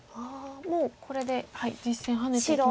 もうこれで実戦ハネていきまして。